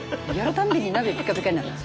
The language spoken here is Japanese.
たんびに鍋ピカピカになって。